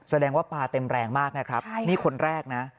แสดงว่าปลาเต็มแรงมากนะครับนี่คนแรกนะ